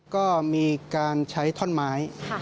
ก็มีการใช้ท่อนไม้